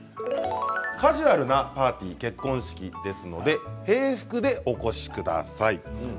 カジュアルな結婚式ですので平服でお越しください。